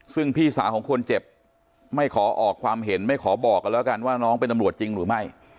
ซึ่งพี่สาวของคนเจ็บไม่ขอออกความเห็นไม่ขอบอกกันแล้วกันว่าน้องเป็นตำรวจจริงหรือไม่